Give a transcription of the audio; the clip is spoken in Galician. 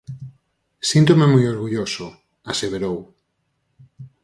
"Síntome moi orgulloso", aseverou.